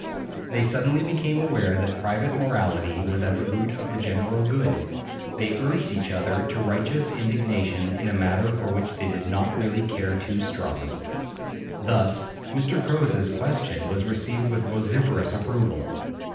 They suddenly became aware that private morality was at the root of the general good; they urged each other to righteous indignation in a matter for which they did not really care two straws. Thus Mr. Cowes's question was received with vociferous approval.